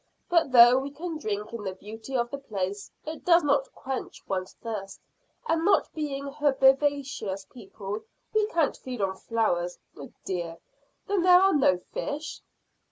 But though we can drink in the beauty of the place it does not quench one's thirst, and not being herbivorous people, we can't feed on flowers. Oh dear! Then there are no fish?"